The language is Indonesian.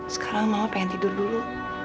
sekarang mama pengen tidur dulu